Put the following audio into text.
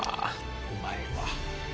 うまいわ。